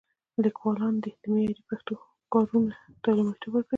لیکوالان دې د معیاري پښتو کارونو ته لومړیتوب ورکړي.